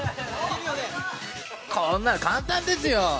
こんなの簡単ですよ！